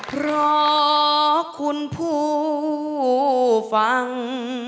เพราะคุณผู้ฟัง